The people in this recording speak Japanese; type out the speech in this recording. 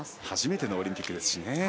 初めてのオリンピックですしね。